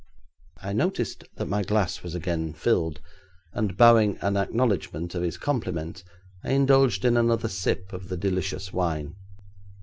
I noticed that my glass was again filled, and bowing an acknowledgment of his compliment, I indulged in another sip of the delicious wine.